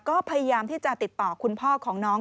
ก็พยายามที่จะติดต่อคุณพ่อของน้อง